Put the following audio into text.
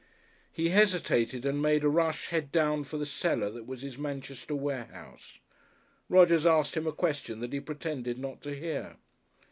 He hesitated and made a rush head down for the cellar that was his Manchester warehouse. Rodgers asked him a question that he pretended not to hear.